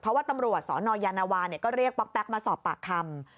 เพราะว่าตำรวจสนยานวาก็เรียกป๊อกแก๊กมาสอบปากคำ